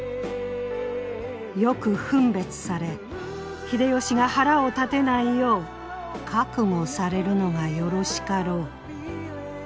よく分別され秀吉が腹を立てないよう覚悟されるのがよろしかろう」。